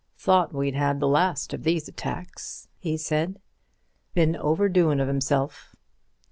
"Thought we'd had the last of these attacks," he said. "Been overdoin' of himself.